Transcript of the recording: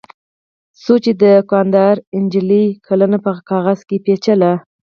څو چې دوکاندارې نجلۍ کلنه په کاغذ کې پېچله.